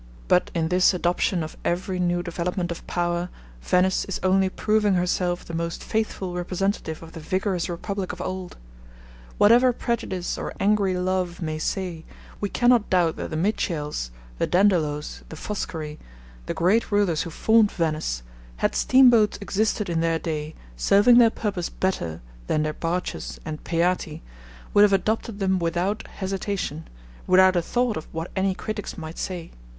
But in this adoption of every new development of power, Venice is only proving herself the most faithful representative of the vigorous republic of old. Whatever prejudice or angry love may say, we cannot doubt that the Michiels, the Dandolos, the Foscari, the great rulers who formed Venice, had steamboats existed in their day, serving their purpose better than their barges and peati, would have adopted them without hesitation, without a thought of what any critics might say.